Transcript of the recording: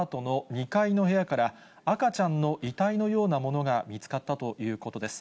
２階の部屋から、赤ちゃんの遺体のようなものが見つかったということです。